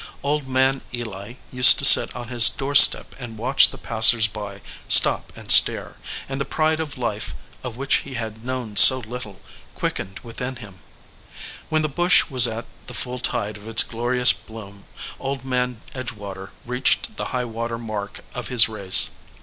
Old Man Eli used to sit on his door step and watch the passers by stop and stare, and the pride of life, of which he had 103 EDGEWATER PEOPLE known so little, quickened within him. When the bush was at the full tide of its glorious bloom, Old Man Edgewater reached the high water mark of his race.